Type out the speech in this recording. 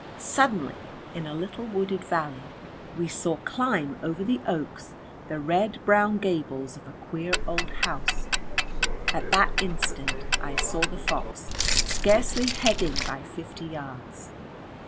Suddenly in a little wooded valley we saw climb over the oaks the red brown gables of a queer old house, at that instant I saw the fox scarcely heading by fifty yards.